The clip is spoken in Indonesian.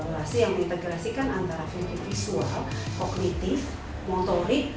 menari adalah suatu kegiatan kolaborasi yang diintegrasikan antara visual kognitif motorik